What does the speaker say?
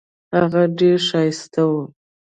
هغه ډیره ښایسته وه.